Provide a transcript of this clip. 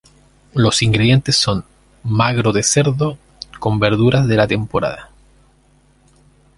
Los ingredientes son: magro de cerdo, con verduras de la temporada.